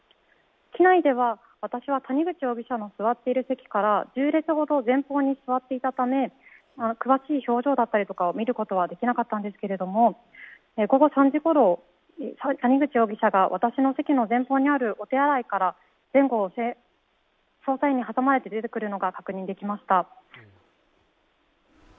機内では私は谷口容疑者の座っている席から１０列ほど前方に座っていたため詳しい表情を見ることはできなかったんですが、午後３時ごろ、谷口容疑者が私の席の前方にあるお手洗いから前後を捜査員に挟まれて出てくるのが確認できました。